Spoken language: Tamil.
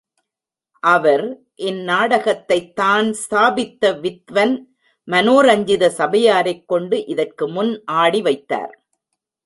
அவர் இந் நாடகத்தைத் தான் ஸ்தாபித்த வித்வன் மனோரஞ்சித சபையாரைக் கொண்டு இதற்கு முன் ஆடி வைத்தார்.